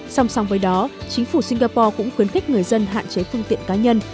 song song với đó chính phủ singapore cũng khuyến khích người dân hạn chế phương tiện cá nhân